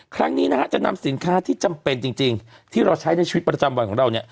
ครั้งนี้นะฮะจะนำสินค้าที่จำเป็นจริงที่เราใช้ในชีวิตประจำวันของเราเนี่ย